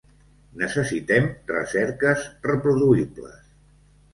Necessitem recerques reproduïbles.